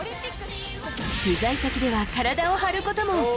取材先では、体を張ることも。